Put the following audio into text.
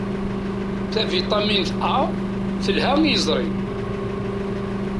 Tavitamint A telha i yiẓri.